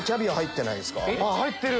入ってる！